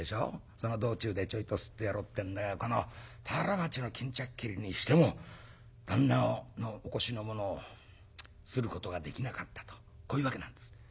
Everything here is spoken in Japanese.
その道中でちょいとすってやろうってんだが田原町の巾着切りにしても旦那のお腰のものをすることができなかったとこういうわけなんです」。